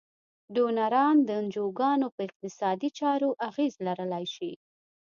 ډونران د انجوګانو په اقتصادي چارو اغیز لرلای شي.